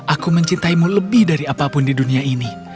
aku mencintaimu lebih dari apapun di dunia ini